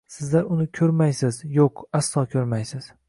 Sizlar uni ko`rmaysiz, yo`q, aslo ko`rmaysiz